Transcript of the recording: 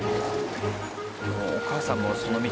お母さんもその道